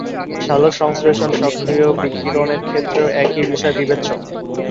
সালোকসংশ্লেষণ সক্রিয় বিকিরণের ক্ষেত্রেও একই বিষয় বিবেচ্য।